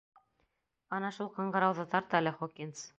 Ана шул ҡыңғырауҙы тарт әле, Хокинс.